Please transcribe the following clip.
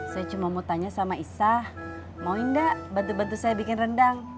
saya cuma mau tanya sama isah mauin enggak bantu bantu saya bikin rendang